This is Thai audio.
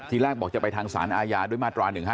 แรกบอกจะไปทางสารอาญาด้วยมาตรา๑๕